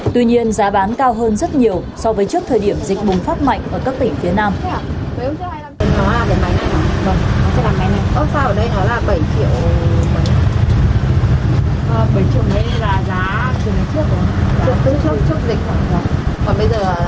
tuy nhiên giá bán cao hơn rất nhiều so với trước thời điểm dịch bùng phát mạnh ở các tỉnh phía nam